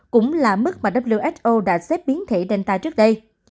cũng là mức mà who đã xếp biến thể danta trước đây